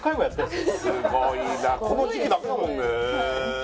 すごいなこの時期だけだもんね